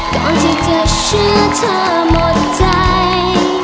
ก่อนที่จะเชื่อเธอหมดใจ